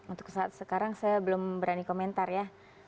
untuk saat sekarang saya belum berani komentar ya